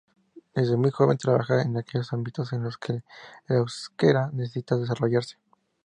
Desde muy joven trabaja en aquellos ámbitos en los que el euskera necesitaba desarrollarse.